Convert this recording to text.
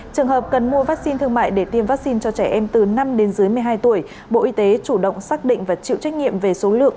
trường hợp cần mua vaccine thương mại để tiêm vaccine cho trẻ em từ năm đến dưới một mươi hai tuổi bộ y tế chủ động xác định và chịu trách nhiệm về số lượng